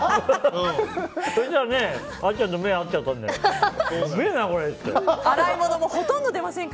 そしたらね、あっちゃんと目が合っちゃったんだよ。